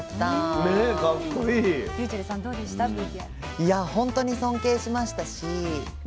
いやほんとに尊敬しましたしま